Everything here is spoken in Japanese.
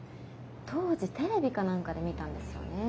当時テレビか何かで見たんですよね。